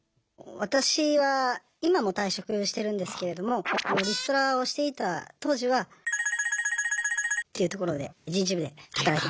私は今もう退職してるんですけれどもリストラをしていた当時はというところで人事部で働いてました。